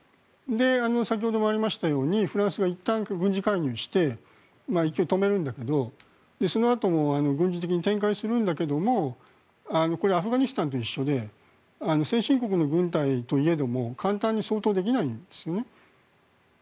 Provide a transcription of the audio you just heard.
先ほどもありましたようにフランスがいったん軍事介入して勢いを止めるんだけどそのあとも軍事的に展開するんだけどこれはアフガニスタンと一緒で先進国の軍隊といえども簡単に掃討できないんですね。